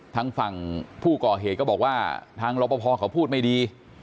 ทางฝั่งผู้ก่อเหตุก็บอกว่าทางรอปภเขาพูดไม่ดี